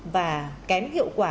và kén hiệu quả